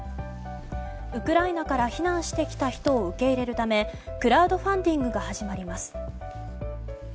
ウクライナから避難してきた人を受け入れるためクラウドファンディングが始まります。